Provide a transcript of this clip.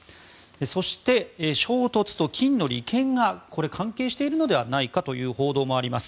そして、衝突と金の利権が関係しているのではないかという報道もあります。